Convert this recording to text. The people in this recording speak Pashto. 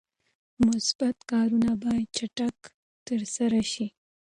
مثبت کارونه باید چټک ترسره شي.